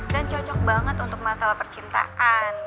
dan cocok banget untuk masalah percintaan